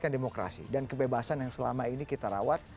dan kebebasan yang selama ini kita rawat